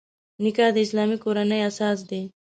نکاح د اسلامي کورنۍ اساس دی.